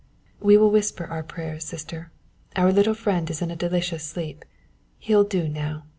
"We will whisper our prayers, sister; our little friend is in a delicious sleep. He'll do now.